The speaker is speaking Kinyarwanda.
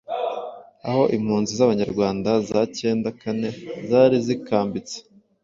aho impunzi z'abanyarwanda za cyenda kane zari zikambitse.